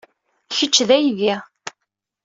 Kečč d aydi.